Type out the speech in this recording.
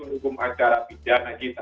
hukum ajaran pidana kita